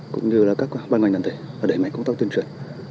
cũng như các ban ngoại ngân thể để mạnh công tác tuyên truyền